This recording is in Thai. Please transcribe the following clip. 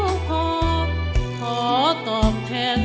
พ่อตอบแทนแม่พ่อลูกจะไม่ท้อพ่อทดแทน